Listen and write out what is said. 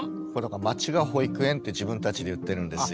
街が保育園って自分たちで言ってるんですよ。